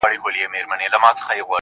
نولي غنم په تصور د جنت